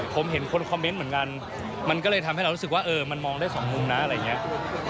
ผมเห็นคนคอมเมนต์เหมือนกันมันก็เลยทำให้เรารู้สึกว่าเออมันมองได้สองมุมนะอะไรอย่างนี้